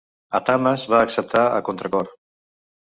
Athamas va acceptar a contracor.